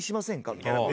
みたいな。